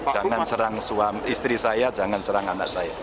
jangan serang suami istri saya jangan serang anak saya